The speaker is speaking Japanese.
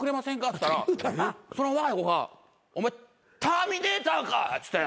っつったらその若い子が「お前ターミネーターか！」っつって。